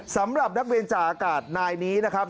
สำหรับนักเรียนจ่าอากาศนายนี้นะครับ